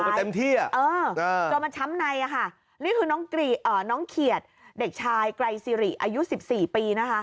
โดนไปเต็มที่จนมาช้ำในนี่คือน้องเขียดเด็กชายไกรสิริอายุ๑๔ปี